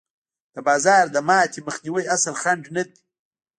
د بازار د ماتې مخنیوی اصلي خنډ نه دی.